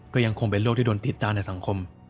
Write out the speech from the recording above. ก็ยังคงเป็นโรคที่โดนติดตั้งในสังคม